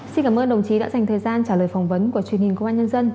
xin cảm ơn đồng chí đã dành thời gian trả lời phỏng vấn của truyền hình công an nhân dân